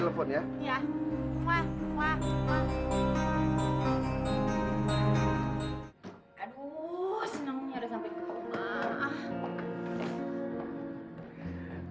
aduh senengnya udah sampe rumah